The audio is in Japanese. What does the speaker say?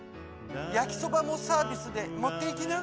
やきそばもサービスでもっていきな！